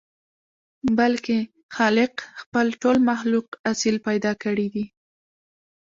بلکې خالق خپل ټول مخلوق اصيل پيدا کړي دي.